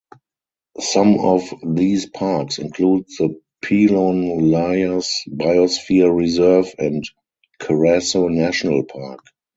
Some of these parks include the Pilon Lajas Biosphere Reserve and Carrasco National Park.